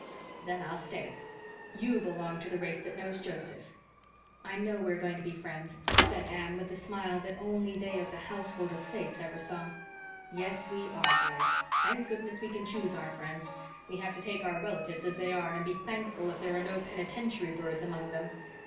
"Then I'll stay. YOU belong to the race that knows Joseph." "I know we are going to be friends," said Anne, with the smile that only they of the household of faith ever saw. "Yes, we are, dearie. Thank goodness, we can choose our friends. We have to take our relatives as they are, and be thankful if there are no penitentiary birds among them.